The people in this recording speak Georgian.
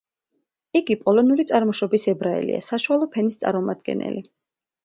იგი პოლონური წარმოშობის ებრაელია, საშუალო ფენის წარმომადგენელი.